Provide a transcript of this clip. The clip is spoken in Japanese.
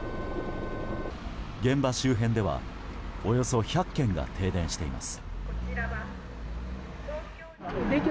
現場周辺では、およそ１００軒が停電しています。